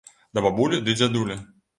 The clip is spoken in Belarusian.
Да бабулі ды дзядулі.